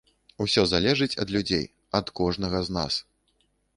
Усё залежыць ад людзей, ад кожнага з нас.